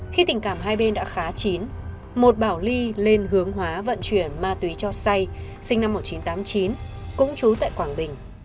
khi tình cảm hai bên đã khá chín một bảo ly lên hướng hóa vận chuyển ma túy cho say sinh năm một nghìn chín trăm tám mươi chín cũng trú tại quảng bình